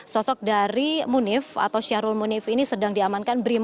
sosok dari munif atau syahrul munif ini sedang diamankan brimob